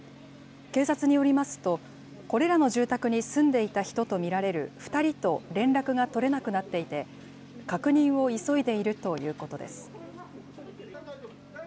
警察によりますと、これらの住宅に住んでいた人と見られる２人と連絡が取れなくなっていて、確認を急いでいるということです。